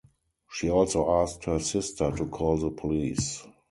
She also asked her sister to call the police.